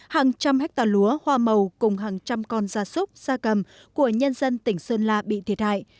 hàng trăm hectare lúa hoa màu cùng hàng trăm con da súc da cầm của nhân dân tỉnh sơn la bị thiệt hại